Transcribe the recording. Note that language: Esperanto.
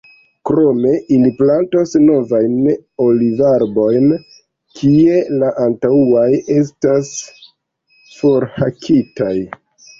Krome ili plantos novajn olivarbojn, kie la antaŭaj estas forhakitaj.